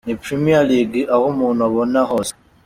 Ni Premier League aho umuntu abona hose.